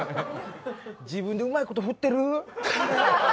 自分でうまいこと振ってる？